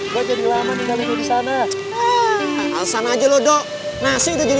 kuntik semuanya tortur kakek kita